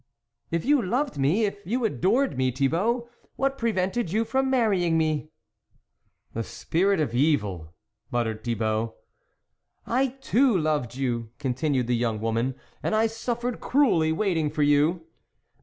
" If you loved me, if you adored me, Thibault, what prevented you from marrying me ?" "The spirit of evil," muttered Thi bault. " I too loved you," continued the young woman, " and I suffered cruelly waiting for you."